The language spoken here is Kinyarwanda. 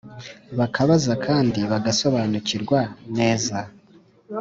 bakabaza kandi bagasobanukirwa. Neza